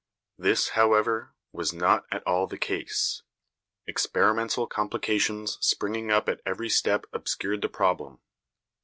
This, however, was not at all the case. Experimental complications springing up at every step obscured the problem.